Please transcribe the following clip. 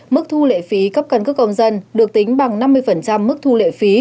mức thu lệ phí cấp căn cước công dân được tính bằng năm mươi mức thu lệ phí